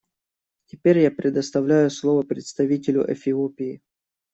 Теперь я предоставляю слово представителю Эфиопии.